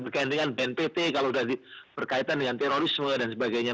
berkaitan dengan bnpt kalau sudah berkaitan dengan terorisme dan sebagainya